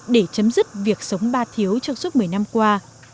để chấm dứt việc sống ba thiếu trong suốt một mươi năm qua